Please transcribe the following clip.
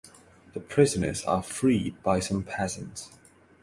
The prisoners are freed by some peasants.